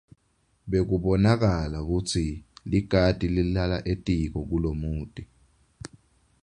Bekubonakala kutsi likati lilala etiko kulomuti.